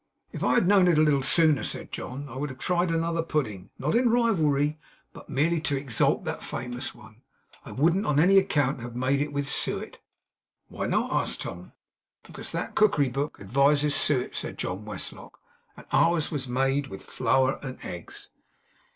'If I had known it a little sooner,' said John, 'I would have tried another pudding. Not in rivalry; but merely to exalt that famous one. I wouldn't on any account have had it made with suet.' 'Why not?' asked Tom. 'Because that cookery book advises suet,' said John Westlock; 'and ours was made with flour and eggs.